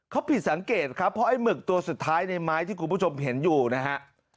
เขาผิดสังเกตครับเพราะไอ้หมึกตัวสุดท้ายในไม้ที่คุณผู้ชมเห็นอยู่นะฮะ